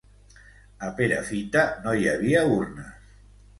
A Perafita no hi havia urnes.